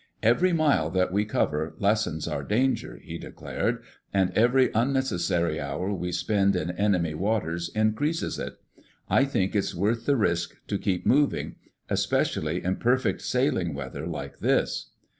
"Every mile that we cover lessens our danger," he declared, "and every unnecessary hour we spend in enemy waters increases it. I think it's worth the risk to keep moving—especially in perfect sailing weather like this."